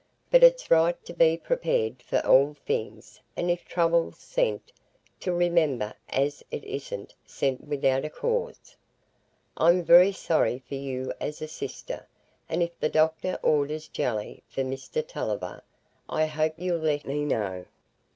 But it's right to be prepared for all things, and if trouble's sent, to remember as it isn't sent without a cause. I'm very sorry for you as a sister, and if the doctor orders jelly for Mr Tulliver, I hope you'll let me know.